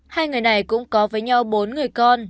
hai người này cũng có với nhau bốn người con